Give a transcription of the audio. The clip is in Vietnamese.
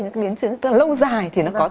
những biến chứng lâu dài thì nó có